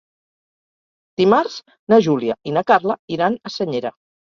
Dimarts na Júlia i na Carla iran a Senyera.